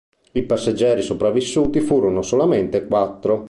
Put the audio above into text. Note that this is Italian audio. I passeggeri sopravvissuti furono solamente quattro.